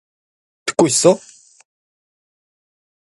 듣고 있어?